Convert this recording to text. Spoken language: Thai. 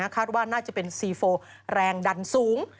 คาดว่าน่าจะเป็นซีโฟแรงดันสูง